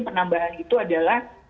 penambahan itu adalah